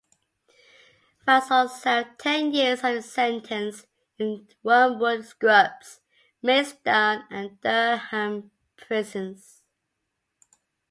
Vassall served ten years of his sentence, in Wormwood Scrubs, Maidstone and Durham prisons.